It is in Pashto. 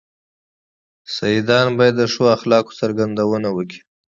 سيدان بايد د ښو اخلاقو څرګندونه وکي.